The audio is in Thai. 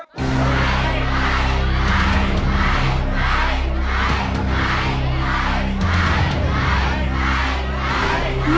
ใช่